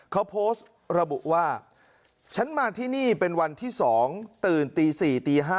เขาโพสต์ระบุว่าฉันมาที่นี่เป็นวันที่๒ตื่นตี๔ตี๕